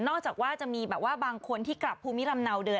นอกจากว่าจะมีบางคนที่กลับภูมิลำเนาเดิน